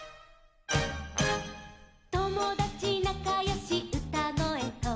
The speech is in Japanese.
「ともだちなかよしうたごえと」